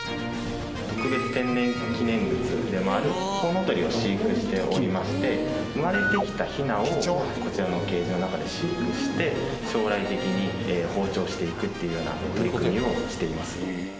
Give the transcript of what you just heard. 特別天然記念物でもあるコウノトリを飼育しておりまして生まれてきたヒナをこちらのケージの中で飼育して将来的に放鳥していくというような取り組みをしています。